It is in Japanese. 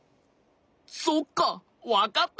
そっかわかった！